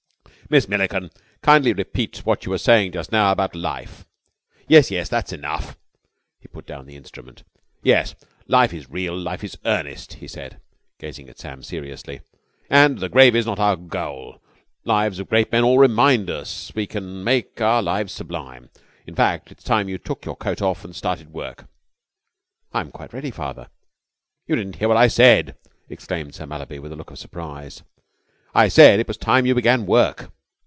"Miss Milliken, kindly repeat what you were saying just now about life.... Yes, yes, that's enough!" He put down the instrument. "Yes, life is real, life is earnest," he said, gazing at Sam seriously, "and the grave is not our goal. Lives of great men all remind us we can make our lives sublime. In fact, it's time you took your coat off and started work." "I am quite ready, father." "You didn't hear what I said," exclaimed Sir Mallaby with a look of surprise. "I said it was time you began work."